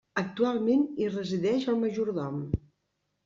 Actualment hi resideix el majordom.